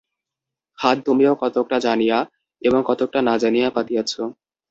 ফাঁদ তুমিও কতকটা জানিয়া এবং কতকটা না জানিয়া পাতিয়াছ।